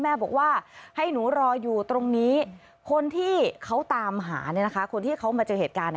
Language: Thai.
แม่บอกว่าให้หนูรออยู่ตรงนี้คนที่เขาตามหาคนที่เขามาเจอเหตุการณ์